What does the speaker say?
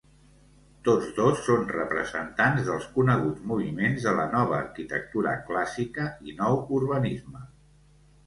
Tots dos són representants dels coneguts moviments de la Nova Arquitectura Clàssica i Nou Urbanisme.